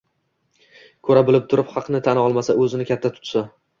Ko‘ra-bila turib haqni tan olmasa, o‘zini katta tutsa